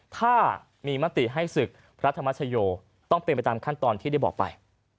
ถ้ามีมติให้ศึกพระธรรมชโยต้องเป็นไปตามขั้นตอนที่ได้บอกไป